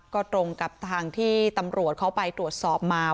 ก็ตรงกับทางที่ตำรวจเขาไปตรวจสอบมา